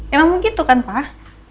emang begitu kan pak